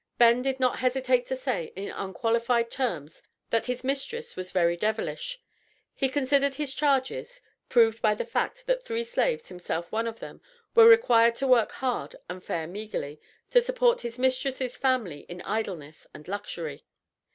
Ben did not hesitate to say, in unqualified terms, that his mistress was "very devilish." He considered his charges, proved by the fact that three slaves (himself one of them) were required to work hard and fare meagerly, to support his mistress' family in idleness and luxury.